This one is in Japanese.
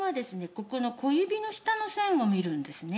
ここの小指の下の線を見るんですね。